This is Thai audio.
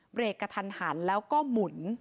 เบรกกระทันหันแล้วก็หมุน